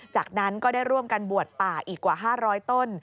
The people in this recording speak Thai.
จากนั้นก็ได้ร่วมกันบวชป่าอีกกว่า๕๐๐ต้น